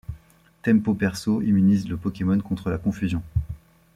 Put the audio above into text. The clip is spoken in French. Tempo Perso immunise le Pokémon contre la confusion.